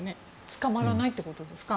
捕まらないってことですか。